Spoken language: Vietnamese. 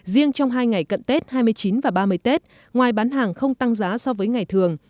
riêng trong hai ngày cận tết hai mươi chín và ba mươi tết ngoài bán hàng không tăng giá so với ngày thường